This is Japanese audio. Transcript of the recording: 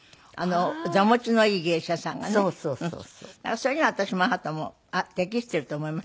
それには私もあなたも適していると思いますよ。